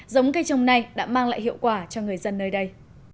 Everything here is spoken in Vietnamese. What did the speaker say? giống cây trồng này đã mang lại hiệu quả cho người dân nơi đây